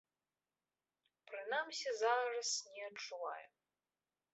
Прынамсі, зараз не адчуваю.